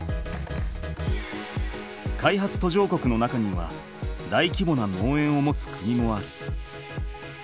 開発途上国の中にはだいきぼな農園を持つ国もある。